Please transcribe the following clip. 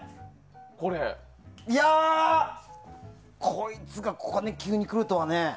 いやあ、こいつがここに急に来るとはね。